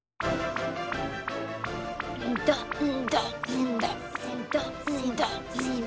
どんどんどんどん。